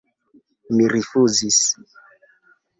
Mi rifuzis.